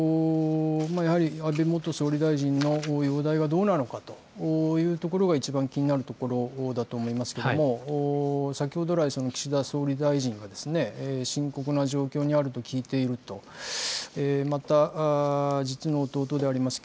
やはり安倍元総理大臣の容体はどうなのかというところが、一番気になるところだと思いますけれども、先ほど来、岸田総理大臣が、深刻な状況にあると聞いていると、また、実の弟であります